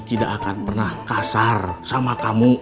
tidak akan pernah kasar sama kamu